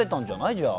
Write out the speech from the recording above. じゃあ。